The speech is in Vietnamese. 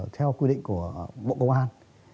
theo quy định của bộ công an